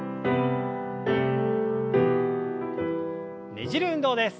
ねじる運動です。